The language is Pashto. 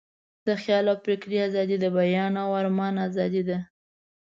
د خیال او فکر آزادي، د بیان او آرمان آزادي ده.